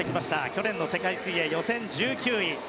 去年の世界水泳予選１９位。